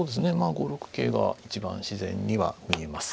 ５六桂が一番自然には見えます。